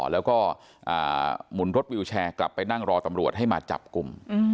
แล้วก็หมุนรถวิวแชร์กลับไปนั่งรอตำรวจให้มาจับกลุ่ม